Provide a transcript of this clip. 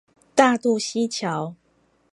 大肚溪橋